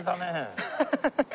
アハハハ。